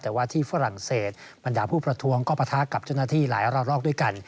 แต่ว่าที่ฝรั่งเศสบรรดาผู้ประท้วงก็ปะทะกับเจ้าหน้าที่หลายระลอกด้วยกัน